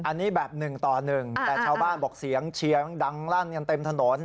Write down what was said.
อันนี้แบบ๑ต่อ๑แต่ชาวบ้านบอกเสียงเชียงดังลั่นกันเต็มถนน